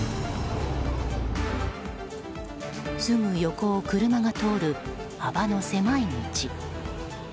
すぐ横を車が通る、幅の狭い道。